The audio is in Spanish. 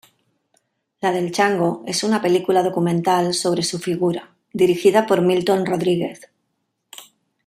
La del Chango es una película documental sobre su figura, dirigida por Milton Rodriguez.